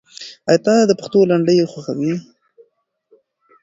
آیا ته د پښتو لنډۍ خوښوې؟